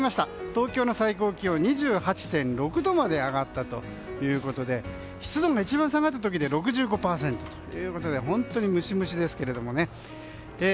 東京の最高気温２８．６度まで上がったということで湿度が一番下がった時で６５％ということで本当にムシムシですけれどもね。